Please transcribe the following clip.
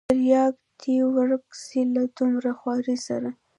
ترياک دې ورک سي له دومره خوارۍ سره.